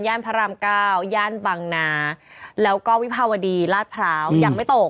พระรามเก้าย่านบังนาแล้วก็วิภาวดีลาดพร้าวยังไม่ตก